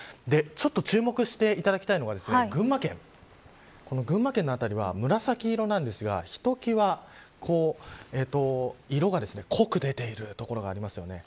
ちょっと注目していただきたいのが群馬県群馬県の辺りは紫色ですがひと際色が濃く表れている所がありますよね。